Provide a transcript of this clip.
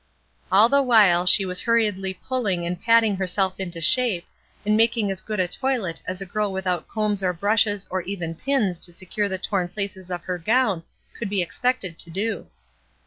All the while she was hurriedly pulling and patting herself into shape, and making as good a toilet as a girl without combs or brushes or even pins to secure the torn places on her gown could be expected to do.